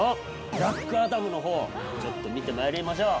「ブラックアダム」のほうをちょっと見てまいりましょう。